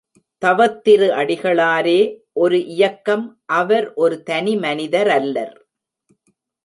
தவத்திரு அடிகளாரே ஒரு இயக்கம் அவர் ஒரு தனி மனிதரல்லர்.